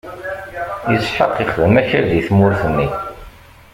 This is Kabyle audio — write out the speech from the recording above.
Isḥaq ixdem akal di tmurt-nni.